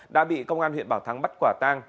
đã bị công an huyện bảo thắng bắt quả tang